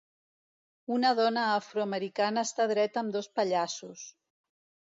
Una dona afroamericana està dreta amb dos pallassos.